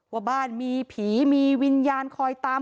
ว่าบ้านมีผีมีวิญญาณคอยตาม